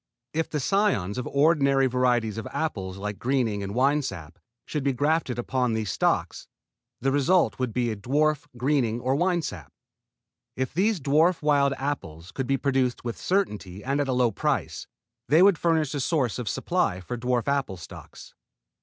If the cions of ordinary varieties of apples like Greening and Winesap should be grafted upon these stocks, the result would be a dwarf Greening or Winesap. If these dwarf wild apples could be produced with certainty and at a low price, they would furnish a source of supply for dwarf apple stocks.